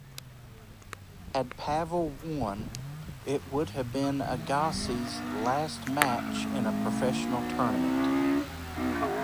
Had Pavel won, it would have been Agassi's last match in a professional tournament.